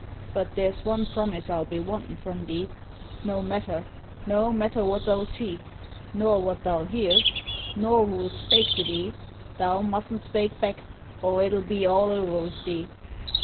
But there's one promise I'll be wantin' from thee no matter, no matter what thou'll see, nor what thou'll hear, nor who'll spake to thee, thou mustn't spake back or it'll be all over with thee.'